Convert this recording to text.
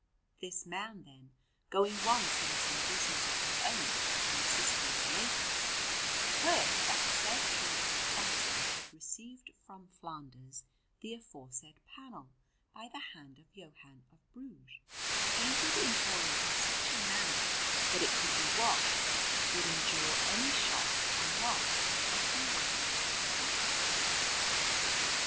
This man, then, going once on some business of his own from Sicily to Naples, heard that the said King Alfonso had received from Flanders the aforesaid panel by the hand of Johann of Bruges, painted in oil in such a manner that it could be washed, would endure any shock, and was in every way perfect.